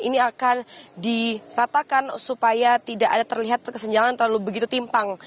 ini akan diratakan supaya tidak ada terlihat kesenjangan terlalu begitu timpang